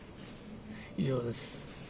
以上です。